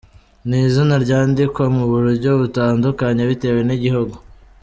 Ni izina ryandikwa mu buryo butandkanye bitewe n’igihugu.